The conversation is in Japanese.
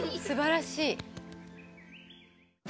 すばらしい。